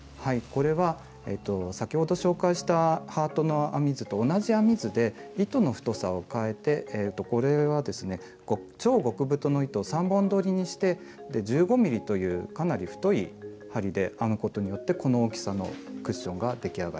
これは先ほど紹介したハートの編み図と同じ編み図で糸の太さをかえてこれはですね超極太の糸を３本どりにして１５ｍｍというかなり太い針で編むことによってこの大きさのクッションが出来上がります。